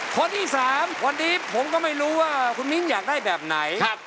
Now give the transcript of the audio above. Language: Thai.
คนที่๓คนนี้ผมก็ไม่รู้ว่าคุณมิ้นอยากได้แบบไหน